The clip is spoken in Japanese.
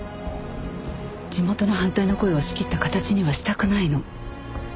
地元の反対の声を押し切った形にはしたくないの。